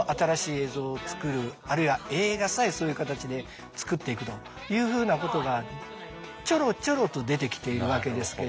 あるいは映画さえそういう形で作っていくというふうなことがちょろちょろと出てきているわけですけど。